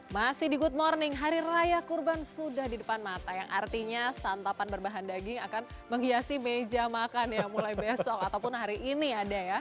masih di good morning hari raya kurban sudah di depan mata yang artinya santapan berbahan daging akan menghiasi meja makan ya mulai besok ataupun hari ini ada ya